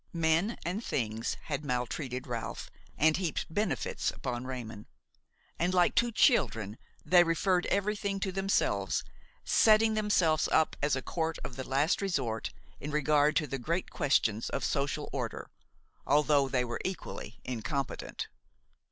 Men and things had maltreated Ralph and heaped benefits upon Raymon; and, like two children, they referred everything to themselves, setting themselves up as a court of last resort in regard to the great questions of social order, although they were equally incompetent.